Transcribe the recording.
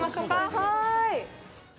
はい。